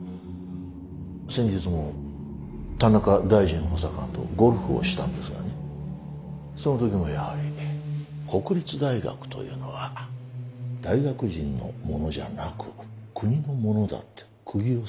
先日も田中大臣補佐官とゴルフをしたんですがねその時にもやはり国立大学というのは大学人のものじゃなく国のものだってくぎを刺されましたよ。